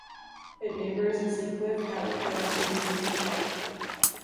It neighbours Seacliff, Hallett Cove and Kingston Park.